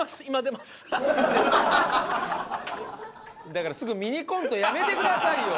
だからすぐミニコントやめてくださいよ！